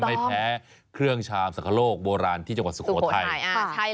ไม่แพ้เครื่องชามสังคโลกโบราณที่จังหวัดสุโขทัย